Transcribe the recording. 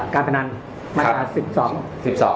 การพนันประกอบ๑๒